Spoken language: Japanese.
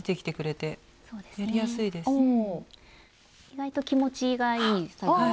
意外と気持ちがいい。